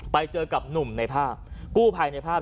ไปเจอกับหนุ่มในภาพกู้ภัยในภาพ